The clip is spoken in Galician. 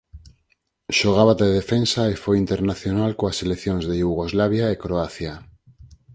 Xogaba de defensa e foi internacional coas seleccións de Iugoslavia e Croacia.